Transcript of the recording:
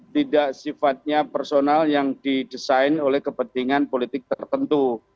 tidak sifatnya personal yang didesain oleh kepentingan politik tertentu